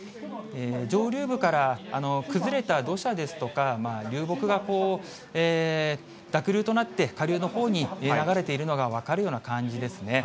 上流部から崩れた土砂ですとか、流木が濁流となって、下流の方に流れているのが分かるような感じですね。